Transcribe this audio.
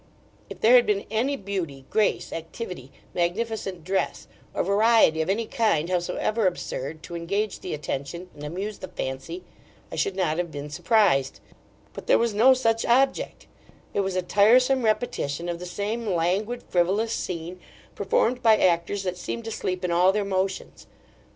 If there had been any beauty, grace, activity, magnificent dress, or variety of any kind howsoever absurd, to engage the attention, and amuse the fancy, I should not have been surprised; but there was no such object: it was a tiresome repetition of the same languid, frivolous scene, performed by actors that seemed to sleep in all their motions.